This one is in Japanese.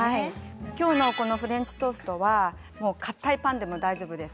きょうのフレンチトーストはかたいパンでも大丈夫です。